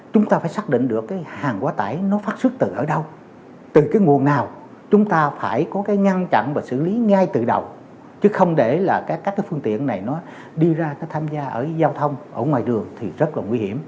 chúng ta phải xác định được cái hàng quá tải nó phát xuất từ ở đâu từ cái nguồn nào chúng ta phải có cái ngăn chặn và xử lý ngay từ đầu chứ không để là các cái phương tiện này nó đi ra tham gia ở giao thông ở ngoài đường thì rất là nguy hiểm